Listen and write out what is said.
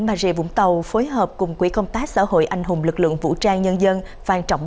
bà rịa vũng tàu phối hợp cùng quỹ công tác xã hội anh hùng lực lượng vũ trang nhân dân phan trọng